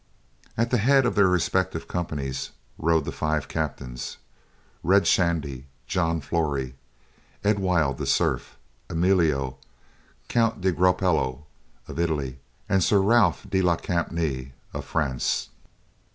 At the head of their respective companies rode the five captains: Red Shandy; John Flory; Edwild the Serf; Emilio, Count de Gropello of Italy; and Sieur Ralph de la Campnee, of France.